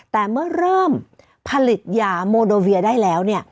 แต่เมื่อเริ่มผลิตยาโมโดเวียได้แล้ว